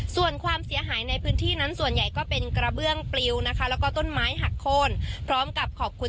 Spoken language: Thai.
ส่วนความเสียหายในพื้นที่นั้นส่วนใหญ่ก็เป็นกระเบื้องปลิวนะคะแล้วก็ต้นไม้หักโค้นพร้อมกับขอบคุณ